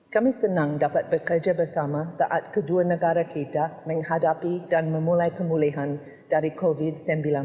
kami senang dapat bekerja bersama saat kedua negara kita menghadapi dan memulai pemulihan dari covid sembilan belas